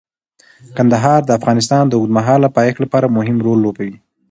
کندهار د افغانستان د اوږدمهاله پایښت لپاره مهم رول لوبوي.